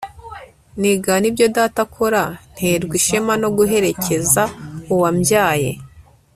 nigana ibyo data akora. nterwa ishema no guherekeza uwambyaye